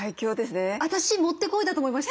私もってこいだと思いました。